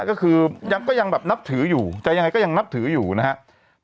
ก็คือยังก็ยังแบบนับถืออยู่จะยังไงก็ยังนับถืออยู่นะครับ